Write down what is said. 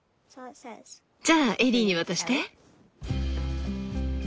じゃあエリーに渡して。